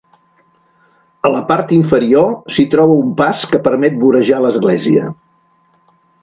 A la part inferior s'hi troba un pas que permet vorejar l’església.